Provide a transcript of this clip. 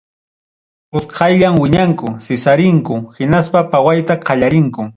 Utqayllam wiñanku, sisarinku, hinaspa pawayta qallarinku.